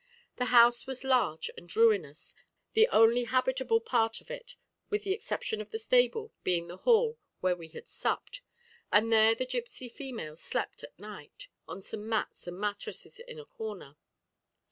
The house was large and ruinous, the only habitable part of it with the exception of the stable being the hall, where we had supped; and there the gipsy females slept at night, on some mats and mattresses in a corner.